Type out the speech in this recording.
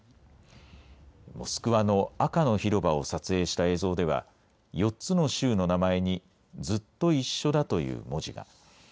モスクワの赤の広場を撮影した映像では４つの州の名前にずっと一緒だという文字が。